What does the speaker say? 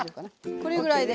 これぐらいで。